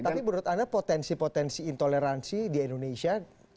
tapi menurut anda potensi potensi intoleransi di indonesia